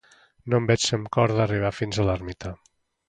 No em veig amb cor d'arribar fins a l'ermita